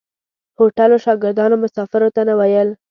هوټلو شاګردانو مسافرو ته نه ویل.